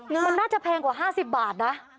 มันน่าจะแพงกว่าห้าสิบบาทนะ